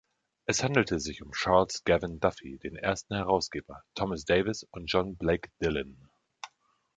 Es handelte sich um Charles Gavan Duffy, den ersten Herausgeber; Thomas Davis und John Blake Dillon.